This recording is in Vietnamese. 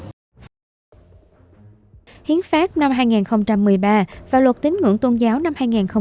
hiến phát năm hai nghìn một mươi ba và luật tín ngưỡng tôn giáo năm hai nghìn một mươi sáu